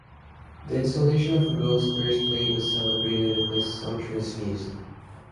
The installation of a girl's first plate was celebrated with a sumptuous feast.